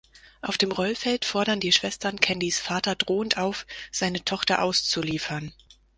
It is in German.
Auf dem Rollfeld fordern die Schwestern Candys Vater drohend auf, seine Tochter auszuliefern.